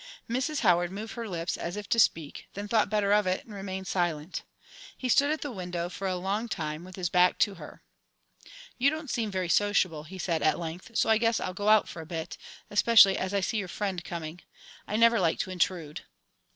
Mrs. Howard moved her lips as if to speak, then thought better of it and remained silent. He stood at the window for a long time, with his back to her. "You don't seem very sociable," he said at length, "so I guess I'll go out for a bit, especially as I see your friend coming. I never like to intrude."